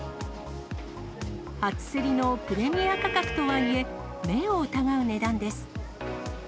初競りのプレミア価格とはいえ、目を疑う値段です。